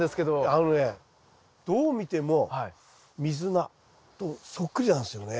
あのねどう見てもミズナとそっくりなんですよね。